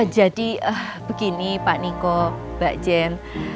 jadi begini pak niko mbak jen